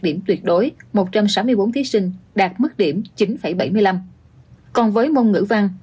điểm tuyệt đối một trăm sáu mươi bốn thí sinh đạt mức điểm chín bảy mươi năm còn với môn ngữ văn